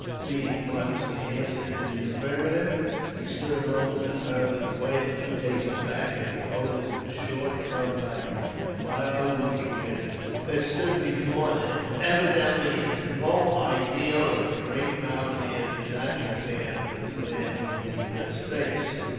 Being modestly answered in the affirmative, he stood a moment, apparently quite taken aback at beholding the short, compact and mild looking man that stood before him. Evidently his beau ideal of the great mountaineer did not compare with the man whom he thus faced.